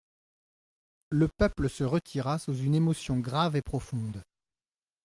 Le peuple se retira sous une émotion grave et profonde.